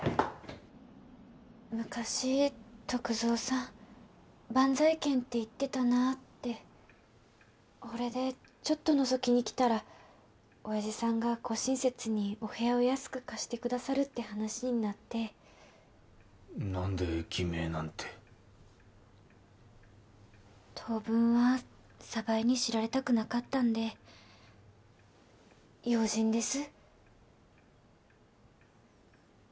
昔篤蔵さんバンザイ軒って言ってたなってほれでちょっとのぞきに来たらオヤジさんがご親切にお部屋を安く貸してくださるって話になって何で偽名なんて当分は鯖江に知られたくなかったんで用心です